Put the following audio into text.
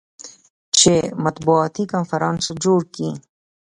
چې مطبوعاتي کنفرانس جوړ کي.